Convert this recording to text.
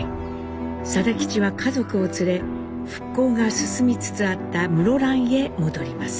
定吉は家族を連れ復興が進みつつあった室蘭へ戻ります。